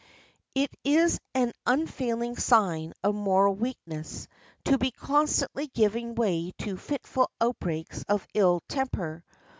It is an unfailing sign of moral weakness to be constantly giving way to fitful outbreaks of ill temper.